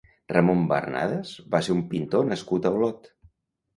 Ramon Barnadas va ser un pintor nascut a Olot.